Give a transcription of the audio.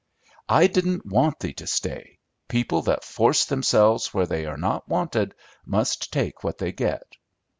"I didn't want thee to stay. People that force themselves where they are not wanted must take what they get."